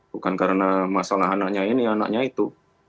bukan karena masalah anaknya ini anaknya itu